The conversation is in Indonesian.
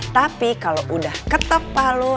tapi kalo udah ketep palu